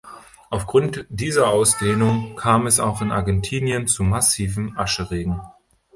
Aufgrund dieser Ausdehnung kam es auch in Argentinien zu massiven Ascheregen.